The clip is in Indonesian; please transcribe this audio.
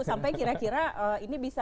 sampai kira kira ini bisa